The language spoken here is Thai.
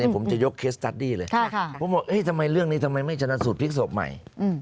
ผมบอกเอ๊ะทำไมเรื่องนี้ทำไมไม่จำนัดสูตรพลิกศพใหม่